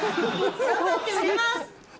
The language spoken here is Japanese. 頑張って売れます。